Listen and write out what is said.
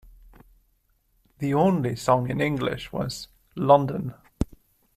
The only song in English was "London".